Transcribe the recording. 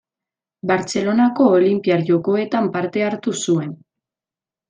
Bartzelonako Olinpiar Jokoetan parte hartu zuen.